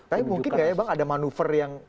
tapi mungkin gak ya bang ada manuver yang